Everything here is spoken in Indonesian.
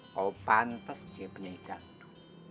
kamu pantas jadi penyanyi jandu